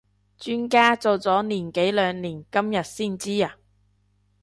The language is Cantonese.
磚家做咗年幾兩年今日先知呀？